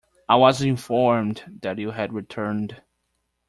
I was informed that you had returned.